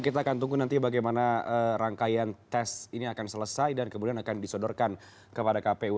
kita akan tunggu nanti bagaimana rangkaian tes ini akan selesai dan kemudian akan disodorkan kepada kpu